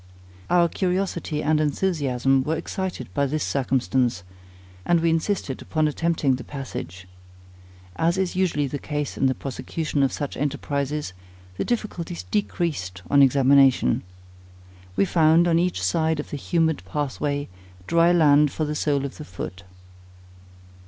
Our curiosity and enthusiasm were excited by this circumstance, and we insisted upon attempting the passage. As is usually the case in the prosecution of such enterprizes, the difficulties decreased on examination. We found, on each side of the humid pathway, "dry land for the sole of the foot."